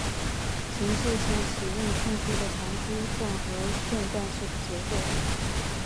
形式上喜用拼贴的长矩状和片段式的结构。